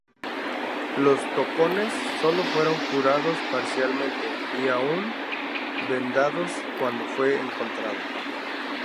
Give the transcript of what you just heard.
Los tocones sólo fueron curados parcialmente y aún vendados cuando fue encontrado.